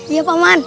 iya pak man